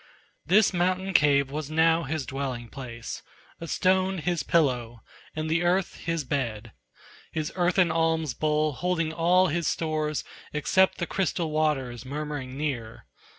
This mountain cave was now his dwelling place, A stone his pillow, and the earth his bed, His earthen alms bowl holding all his stores Except the crystal waters, murmuring near.